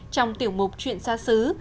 trong tiểu mục chuyện xa xứ